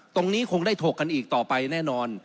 ตรงนี้คงได้ถกกันอีกต่อไปแน่นอน